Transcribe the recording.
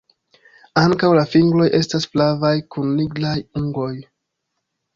Ankaŭ la fingroj estas flavaj kun nigraj ungoj.